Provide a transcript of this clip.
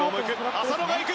浅野が行く。